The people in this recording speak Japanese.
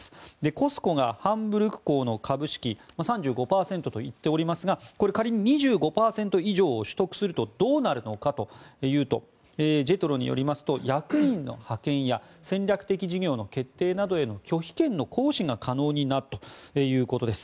ＣＯＳＣＯがハンブルク港の株式３５％といっておりますがこれ、仮に２５％以上を取得するとどうなるのかというとジェトロによりますと役員の派遣や戦略的事業の決定などへの拒否権の行使が可能になるということです。